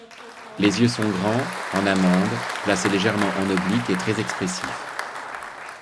Les yeux sont grands, en amande, placés légèrement en oblique et très expressifs.